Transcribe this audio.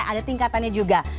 ada tingkatannya juga